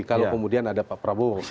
kalau kemudian ada pak prabowo